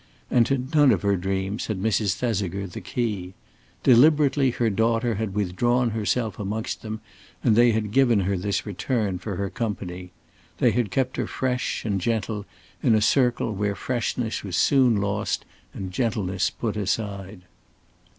And to none of her dreams had Mrs. Thesiger the key. Deliberately her daughter had withdrawn herself amongst them, and they had given her this return for her company. They had kept her fresh and gentle in a circle where freshness was soon lost and gentleness put aside.